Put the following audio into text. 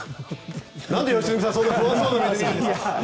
なんで良純さんそんな顔をするんですか。